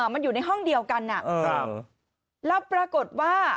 มันอยู่ในห้องเดียวกันแล้วปรากฏว่า